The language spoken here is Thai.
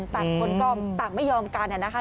ต่างคนก็ต่างไม่ยอมกันนะคะ